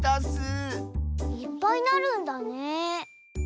いっぱいなるんだねえ。